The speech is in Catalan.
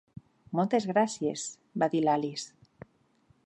'Moltes gràcies', va dir l'Alice.